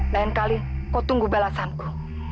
lain kali kau tunggu balasanku